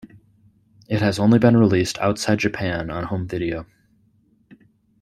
It has only been released outside Japan on home video.